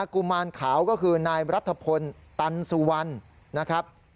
กุมารขาวก็คือนายรัฐพลตันสุวรรณนะครับ